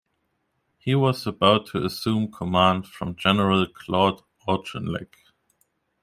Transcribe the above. He was about to assume command from General Claude Auchinleck.